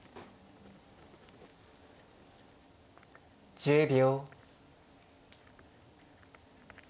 １０秒。